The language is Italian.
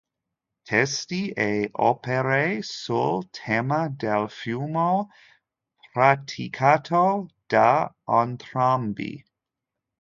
Testi e opere sul tema del fumo, praticato da entrambi.